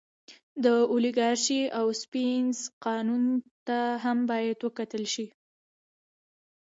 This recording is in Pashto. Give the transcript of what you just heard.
د اولیګارشۍ اوسپنیز قانون ته هم باید وکتل شي.